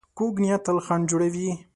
کوږ نیت تل خنډ جوړوي